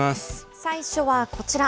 最初はこちら。